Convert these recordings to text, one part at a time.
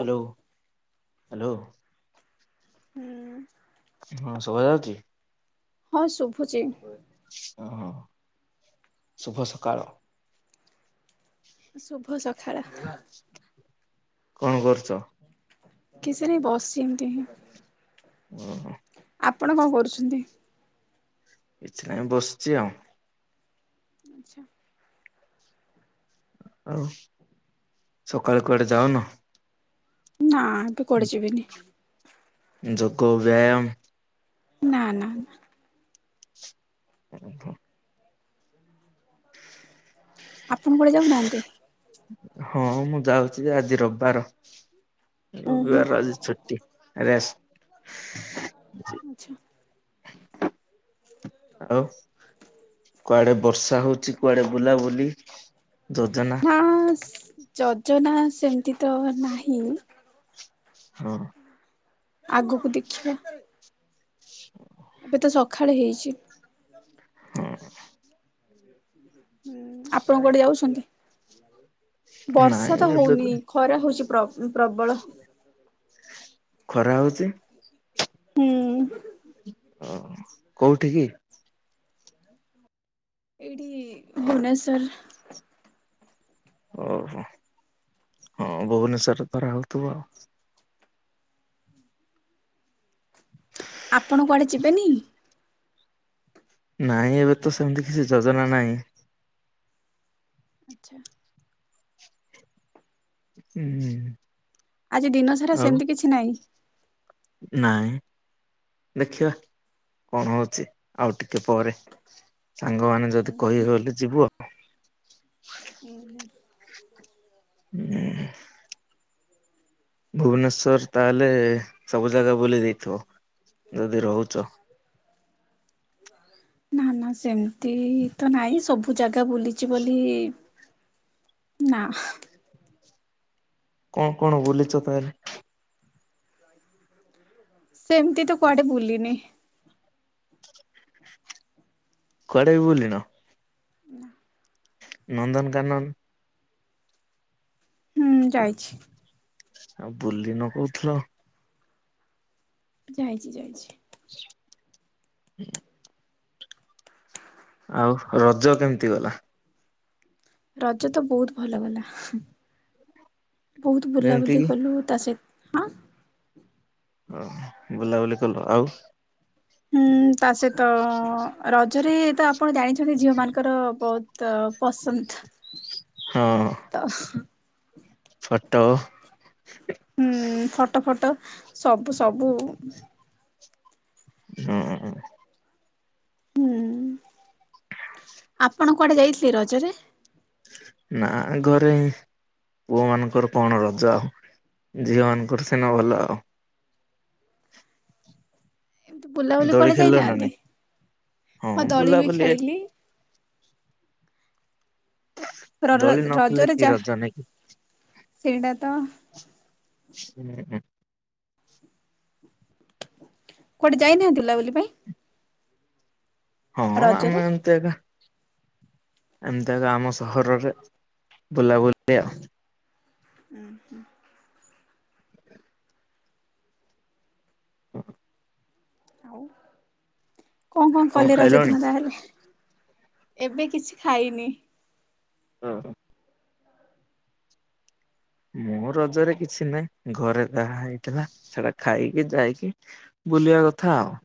Hello, hello. ହଁ। ହଁ ଶୁଭା ଯାଉଚି? ହଁ ଶୁଭୁଚି। ଅଁ, ହଁ, ଶୁଭ ସକାଳ। ଶୁଭ ସଖାଳ। କଣ କରୁଚ? କିଛି ନାଇ ବସିଚି ଏମତି ହିଁ। ଓହୋ। ଆପଣ କଣ କରୁଛନ୍ତି? କିଛି ନାଇଁ ବସିଛି ଆଉ। ଆଚ୍ଛା। ଆଉ ସକାଳ କୁଆଡେ ଯାଉନ? ନା ଏବେ କୁଆଡେ ଯିବିନି। ଯୋଗୋ ବ୍ୟାୟାମ? ନା ନା ନା। ଉଁ ହୁଁ। ଆପଣ କୁଆଡେ ଯାଉନାହାନ୍ତି? ହଁ ମୁଁ ଯାଉଛି ଯେ ଆଜି ରବିବାର। ଓହୋ ରବିବାର ଆଜି ଛୁଟି। ରେଷ୍ଟ ଆଛା। ଆଉ କୁଆଡେ ବର୍ଷା ହଉଛି କୁଆଡେ ବୁଲାବୁଲି। ଯୋଜନା ନା ଯୋଜନା ସେମିତି ତ ନାହିଁ। ହଁ। ଆଗକୁ ଦେଖିବା। ଏବେ ତ ସକାଳେ ହେଇଛି। ହୁଁ। ଆପଣ କୋଉଠି ଯାଉଛନ୍ତି? ନାଇଁ ବର୍ଷା ତ ଏବେ ହଉନି ଖରା ହଉଛି ପ୍ରବଳ। ଖରା ହଉଛି। ହୁଁ। ଓ କୋଉଠି କ? ଏଇଠି ଭୁବନେଶ୍ୱର। ଓହୋ ହଁ ଭୁବନେଶ୍ୱରରେ ଖରା ହଉଥିବ ଆଉ। ଆପଣ କୁଆଡେ ଯିବେନି? ନାଇଁ ଏବେ ତ ସେମିତି କିଛି ଯୋଜନା ନାହିଁ। ଆଚ୍ଛା। ହୁଁ ହୁଁ। ଆଜି ଦିନ ସାରା ସେମିତି କିଛି ନାହିଁ। ନାଇଁ ଦେଖିବା। କଣ ହଉଛି ଆଉ ଟିକେ ପରେ। ସାଙ୍ଗମାନେ ଯଦି କହିବେ ବେଲେ ଯିବୁ ଆଉ। ହୁଁ। [inaudible] ଭୁବନେଶ୍ୱର ତାହେଲେ ସବୁ ଜାଗା ବୁଲି ଦେଇଥିବ। ଯଦି ରହୁ ଚ [inaudible] ନା ନା ସେମିତି ତ ନାଇଁ ସବୁ ଜାଗା ବୁଲିଛି ବୋଲି ନା। କଣ କଣ ବୁଲିଛ ତାହାଲେ? ସେମତି ତ କୁଆଡେ ବୁଲିିନି। କୁଆଡେ ବି ବୁଲିନ? ନନ୍ଦନକାନନ ହୁଁ ଯାଇଛି। ଆଉ ବୁଲିନ କହୁଥିଲ। ଯାଇଛି ଯାଇଛି। [inaudible] ଆଉ ରଜ କେମିତି ଗଲା? ରଜ ତ ବହୁତ ଭଲ ଗଲା। ବହୁତ ଯେମିତି ବୁଲାବୁଲି କିି କଲୁଣୁ ତା ସହିତ ହାଁ। ହ ବୁଲାବୁଲି କଲ ଆଉ - ହୁଁ ତା ସହିତ - ରଜରେ ତ ଆପଣ ଜାଣିଛନ୍ତି ଝିଅ ମାନଙ୍କର ବହୁତ ପସନ୍ଦ ତ ଫଟ ହୁଁ ଫଟୋ ଫଟୋ ସବୁ ସବୁ। ହୁଁ। ହୁଁ ଆପଣ କୁଆଡେ ଯାଇଥିଲେ ରଜରେ? ନା ଘରେ ପୁଅ ମାନଙ୍କର କଣ ରଜ? ଝିଅ ମାନଙ୍କର ସିନା ଭଲ ଏମିତି ବୁଲାବୁଲି ଦୋଳି କୁଆଡେ ଖେଳିଲ ନା ଯାଇନାହାନ୍ତି? ନାଇଁ ହଁ ଦଳି ବି ଖେଳିଲି। ର ଦୋଳି ନ ଖେଳିଲେ ରଜରେ କି ଯା ରଜ ନାଇଁ କି? ସେଇଟା ତ କୁଆଡେ ଯାଇନାହା ବୁଲାବୁଲି ପାଇଁ। ହଁ ରଜରେ? ଆମେ ଏମିତି ଆଗା ଏମ୍ ତିଆଗା ଆମ ସହରରେ ବୁଲାବୁଲି ଆଉ। ଉଁ ହୁଁ। ଆଉ କଣ କଣ କଲେ ରଜ ଦିନ ତାହେଲେ? ଏବେ କିଛି ଖାଇନି। ଅହ। ମୁଁ ରଜରେ କିଛି ନାହିଁ ଘରେ ଯାହା ହେଇଥିଲା, ସେଡା ଖାଇକି ଯାଇକି ବୁଲିବା କଥା ଆଉ।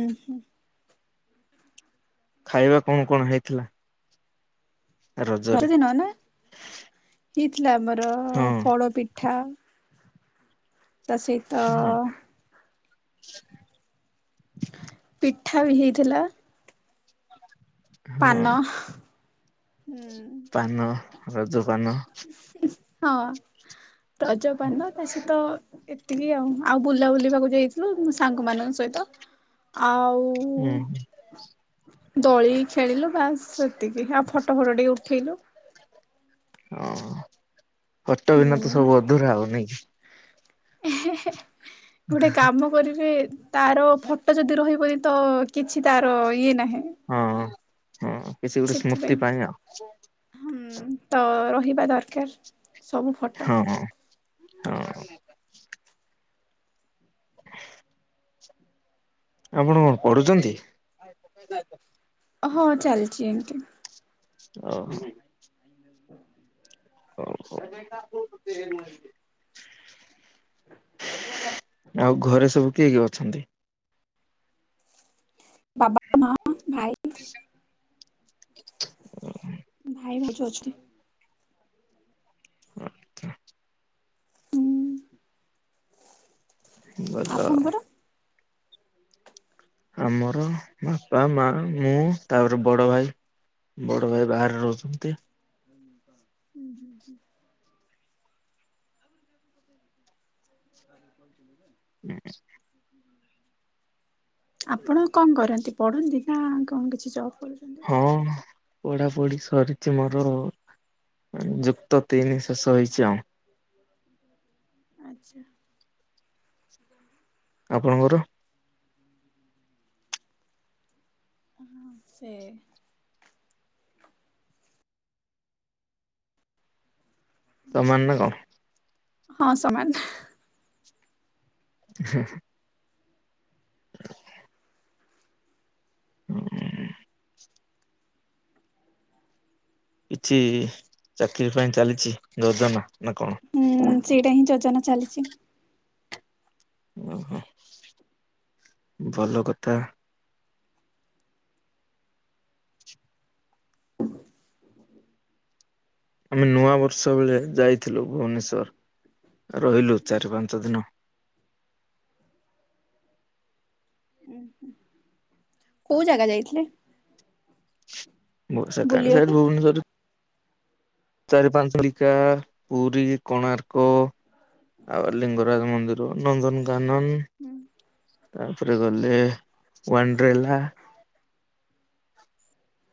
ଉଁ ହୁଁ। ଖାଇବା କଣ କଣ ହେଇଥିଲା? ରଜରେ। ହେଇ ଥିଲା ଆମର ହଁ ପୋଡ ପିଠା। ତ ସେ ଇତ ହଁ [inaudible] ପିଠା ବି ହେଇଥିଲା। ହଁ ପାନ। ହୁଁ। ପାନ ରଜ ପାନ। ହଁ ରଜପାନ ତା ସହିତ ଏତ୍ ଏତିକି ଆଉ ବୁଲା ବୁଲିବାକୁ ଯାଇଥିଲୁ ସାଙ୍ଗ ମାନଙ୍କ ସହିତ ଆଉ ଉଁ ହୁଁ। ଦୋଳି ଖେଳିଲୁ ବାସ୍ ସେତିକି, ଆଉ ଫଟ ଫଟ ଟିକେ ଉଠେଇଲୁ। ହଁ ଫଟ ବିନା ତ ହୁଁ ସବୁ ଅଧୁରା ଆଉ ନାଇଁ କି? ଗୋଟେ କାମ କରିବେ ତାର ଫଟ ଯଦି ରହିିବଏ ତ କିଛି ତାର ଇଏ ନାହିଁ। ହଁ। ହଁ କିଛି ଗୋଟେ ସ୍ମୃତି ସେଥିପାଇଁ ପାଇଁ ଆଉ ହୁଁ ତ ହିବା ଦରକାର ଫଟ। ହଁ ହଁ। ଆପଣ କଣ ପଢୁଚନ୍ତି? ହଁ ଚାଲିଚି ଏମତି ଅହ। ହଉ ହଉ। ଆଉ ଘରେ ସବୁ କିଏ କିଏ ଅଛନ୍ତି? ବାବା, ମା, ଭାଇ ଭାଇ, ଭାଉଜ ଅଛନ୍ତି। ଆଚ୍ଛା। ହୁଁ ଗଲ। ଆପଣଙ୍କର? ଆମର ବାପା ମା ମୁଁ ତାପରେ ବଡ ଭାଇ‌। ବଡ ଭାଇ ବାହାରେ ରହୁଚନ୍ତି। [inaudible] [inaudible] [inaudible] ଆପଣ କଣ କରନ୍ତି ପଢନ୍ତି ନା କଣ କିଛି ଜବ କରୁଛନ୍ତି? ପଢା ପଢି ସରିଛି ମୋର ଯୁକ୍ତ ତିନି ଶେଷ ହେଇଛି ଆଉ। ଆଚ୍ଛା। ଆପଣଙ୍କର? ହଁ ସେଇ ସମାନ ନା କଣ? ହଁ ସମାନ। ହେଁ ହେଁ ହେଁ। [inaudible] କିଛି ଚାକିରି ପାଇଁ ଚାଲିଚି ଯୋଜନା। ନା କଣ ହୁଁ ସେଇଟା ହିଁ ଯୋଜନା ଚାଲିଚି। ଓହୋ ଭଲ କଥା। ଆମେ ନୂଆ ବର୍ଷ ବେଳେ ଯାଇଥିଲୁ ଭୁବନେଶ୍ଵର। ରହିଲୁ ଚାରି ପାଞ୍ଚ ଦିନ। କୋଉ ଜାଗା ଯାଇଥିଲେ? [unintelligible] ସେ ବୁଲିବାକୁ ଭୁନେଶ୍ଵରରେ ଚାରି ପାଞ୍ଚଳିକା ପୁରୀ କୋଣାର୍କ ଆଉ ଲିଙ୍ଗରାଜ ମନ୍ଦିର ନନ୍ଦନ କାନନ ତାପରେ ଗଲେ ୱାଣ୍ଡ୍ରେଲା। [inaudible]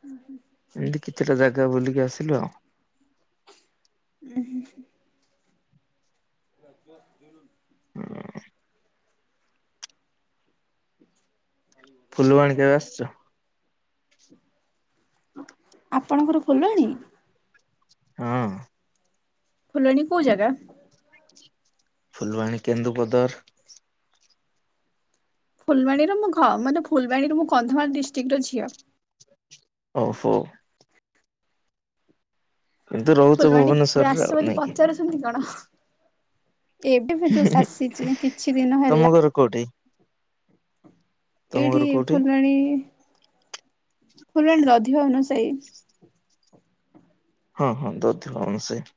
ଉଁ ହୁଁ। ଏମତି କିଛିଟା ଜାଗା ବୁଲିକି ଆସିଲୁ ଆଉ। ଉ ହୁଁ। [inaudible] [inaudible] ଫୁଲବାଣୀ କେବେ ଆସଚ? ଆପଣଙ୍କର ଫୁଲବାଣୀ ହଁ। ଫୁଲବାଣୀ କୋଉ ଜାଗା? ଫୁଲବାଣୀ କେନ୍ଦୁପଦର ଫୁଲବାଣୀର ମୋ ଘ ମାନେ ଫୁଲବାଣୀର ମୁଁ କନ୍ଧମାଳ ଡିଷ୍ଟ୍ରିକ୍ଟର ଝିଅ। ଓହୋ। କିନ୍ତୁ ରହୁଚ ଫୁଲବାଣୀ କେବେ ଭୁବନେଶ୍ଵରରେ ଆସିଛ ଆଉ ବୋଲି ନାଇକି। ପଚାରୁଛନ୍ତି କଣ? ଏବେ ଏବେ ଜଷ୍ଟ ଆଶିଚି କିଛି ଦିନ ତମ ହେଲା। ଘର କୋଉଠି? ତମ ଏଇଠି ଘର କୋଉଠି? ଫୁଲବାଣୀ ଫୁଲବାଣୀରେ ଅଧିକ ଅନୁସାୟୀ। ହଁ ହଁ ଦଧ୍ୟ ଅନୁସେଇ।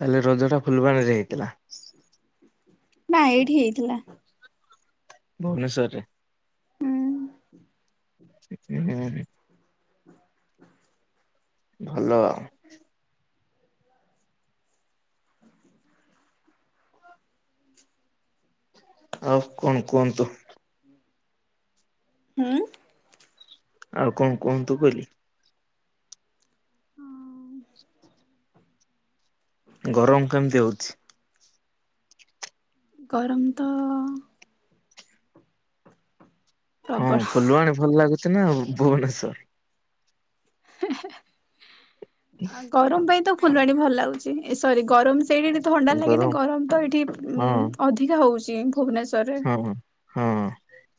ତାହେଲେ ରଜ ଟା ଫୁଲବାଣୀରେ ହେଇଥିଲା। ନା ଏଇଠି ହେଇଥିଲା। ଭୁବନେଶ୍ଵର ରେ। ହୁଁ। ସେ [inaudible] ଭଲ ଆଉ। ଆଉ କଣ କୁହନ୍ତୁ? ହୁଁ। ଆଉ କଣ କୁହନ୍ତୁ କଇଲି। ହ ଗରମ କେମିତି ହଉଚି? ଗରମ ତ ହଁ ପ୍ରବଳ। ଫୁଲବାଣୀ ଭଲ ଲାଗୁଚି ନା ଭୁବନେଶ୍ୱର ଗରମ ପାଇଁ ତ ଫୁଲବାଣୀ ଭଲ ଲାଗୁଛି ଏ ସରି ଗରମ ସେଇଠି ଟି ଥଣ୍ଡା ଲାଗେନା ଗରମ ତ ଏଇଠି ହଁ ଅଧିକା ହଉଚି। ଭୁବନେଶ୍ଵରରେ ହଁ ହଁ।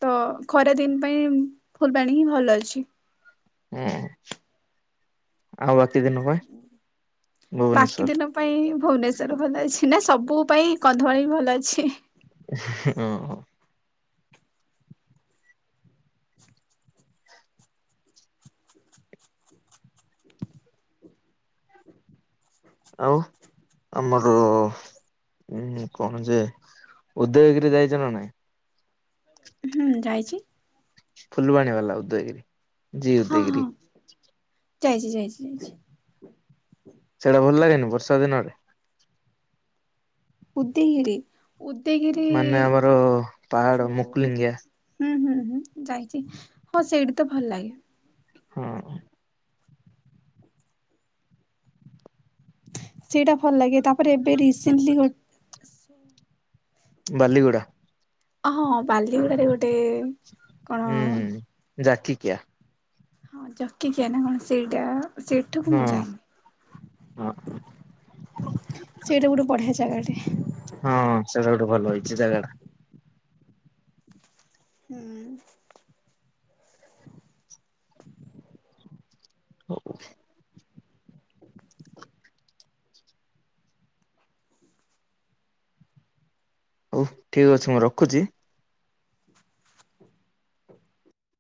ତ ଖରା ଦିନ ପାଇଁ ଫୁଲବାଣୀ ହିଁ ଭଲ ଅଛି। ହୁଁ ଆଉ ବା ବାକି ଦିନ ପାଇଁ ଭୁବନେଶ୍ଵ ତାର ଭଲ ଅଛି ନା ସବୁ ପାଇଁ କନ୍ଧମାଳ ବି ଭଲ ଅଛି। ଅ ହଁ। ଆଉ ଆମର ହୁଁ କଣ ଯେ ଉଦୟଗିରି ଯାଇଚ ନା ନାଇଁ? ହୁଁ ଯାଇଚି। ଫୁଲବାଣୀ ବାଲା ଉଦୟଗିରି ଜୀ ଉଦୟଗିରି। ଯାଇଚି ଯାଇଚି ଯାଇଚି। ସେଇଟା ଭଲ ଲାଗେନି ବର୍ଷା ଦିନରେ? ଉଦୟଗିରି? ଉଦୟଗିରି ମାନେ ଆମର ପାହାଡ ଯୋଉ ମୁକୁଲିଙ୍ଗିଆ ହୁଁ ହୁଁ। ହୁଁ ଯାଇଚି ହଁ ସେଇଠି ତ ଭଲ ଲାଗେ। ହଁ। ସେଇଟା ଭଲ ଲାଗେ। ତାପରେ ଏବେ ରିସେଣ୍ଟଲି ଗୋ- ବାଲିଗୁଡ଼ା। ହଁ ବାଲିଗୁଡାରେ ଗୋଟେ କଣ ଜାକିିକିଆ। ହଁ ଜକିକିଆ ନା କଣ ସେଇଠି ସେଠୁକୁ ହଁ ମୁଁ ହଁ ଯାଇନି। ସେଇଟା ଗୋଟେ ବଢ଼ିଆ ଜାଗାଟେ। ହଁ ସେଇଟା ଗୋଟେ ଭଲ ହେଇଛି ଜାଗାଟା। ହୁଁ। ଓ ଓ ହଉ ଠିକ ଅଛି ମୁଁ ରଖୁଚି